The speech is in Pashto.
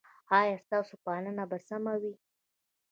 ایا ستاسو پالنه به سمه وي؟